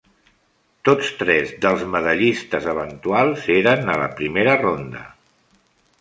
Tots tres dels medallistes eventuals eren a la primera ronda.